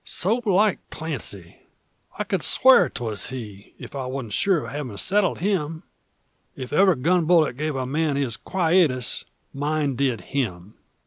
So like Clancy! I could swear 'twas he, if I wasn't sure of having settled him. If ever gun bullet gave a man his quietus, mine did him.